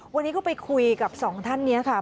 วันนี้ก็ไปคุยกับสองท่านนี้ค่ะ